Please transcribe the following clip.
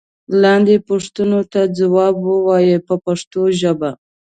لاندې پوښتنو ته ځواب و وایئ په پښتو ژبه.